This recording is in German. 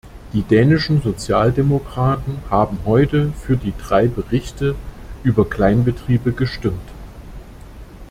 Die dänischen Sozialdemokraten haben heute für die drei Berichte über Kleinbetriebe gestimmt.